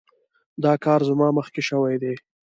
دا کار زما مخکې شوی دی.